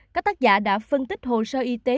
các tác giả đã phân tích hồ sơ y tế